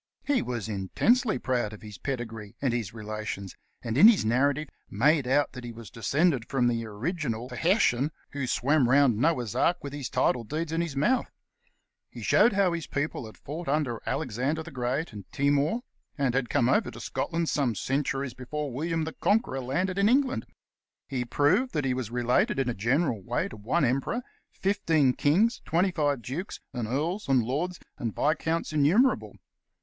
He was intensely proud of his pedigree and his relations, and in his narrative made out that he was descended from the original Fhairshon who swam round Noah's Ark with his title deeds in his teeth. He showed how his people had fought under Alexander the Great and Timour, and had come over to Scotland some centuries before William the Conqueror landed in England. He proved that he was related in a general way to one emperor, fifteen kings, twenty live dukes, and earls and lords and viscounts innumerable.